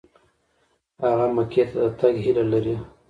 هغه مکې ته د تګ هیله لري.